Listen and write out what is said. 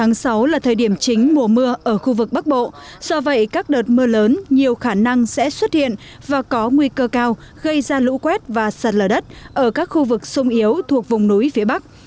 ngày sáu là thời điểm chính mùa mưa ở khu vực bắc bộ do vậy các đợt mưa lớn nhiều khả năng sẽ xuất hiện và có nguy cơ cao gây ra lũ quét và sạt lở đất ở các khu vực sông yếu thuộc vùng núi phía bắc